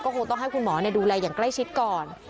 คงต้องให้คุณหมอดูแลอย่างใกล้ชิดก่อน